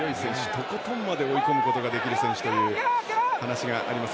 とことんまで追い込むことができる選手という話があります